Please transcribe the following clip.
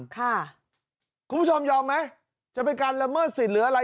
คุณผู้ชมยอมไหมจะเป็นการละเมิดสิทธิ์หรืออะไร